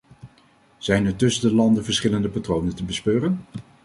Zijn er tussen de landen verschillende patronen te bespeuren?